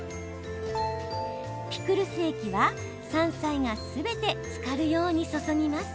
ピクルス液は山菜が全てつかるように注ぎます。